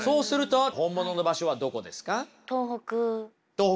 東北。